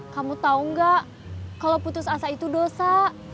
kamu tahu nggak kalau putus asa itu dosa